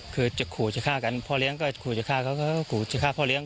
คือจะขู่จะฆ่ากันพ่อเลี้ยงก็ขู่จะฆ่าเขาก็ขู่จะฆ่าพ่อเลี้ย